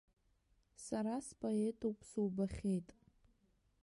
Сара споетуп, субахьеит.